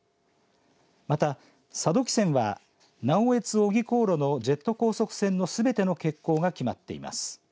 また佐渡汽船は直江津、小木航路のジェット高速船のすべての欠航が決まっています。